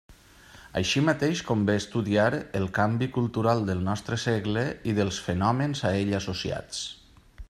Així mateix, convé estudiar el canvi cultural del nostre segle i dels fenòmens a ell associats.